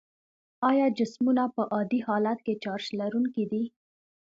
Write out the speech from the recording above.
آیا جسمونه په عادي حالت کې چارج لرونکي دي؟